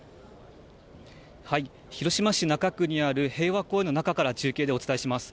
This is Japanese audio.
広島市中区にある、平和公園の中から中継でお伝えします。